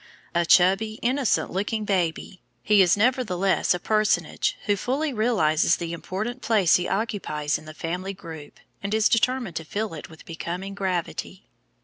A chubby, innocent looking baby, he is nevertheless a personage who fully realizes the important place he occupies in the family group, and is determined to fill it with becoming gravity.